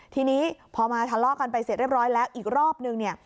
ทีนี้พอมาทะเลาะกันไปเสร็จเรียบร้อยแล้วอีกรอบนึงเนี่ย